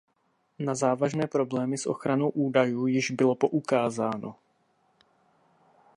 Na závažné problémy s ochranou údajů již bylo poukázáno.